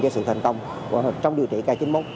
cho sự thành công trong điều trị k chín mươi một